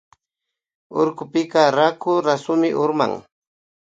Urkupika raku rasumi urman